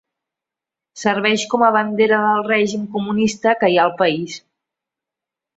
Serveix com a bandera del règim comunista que hi ha al país.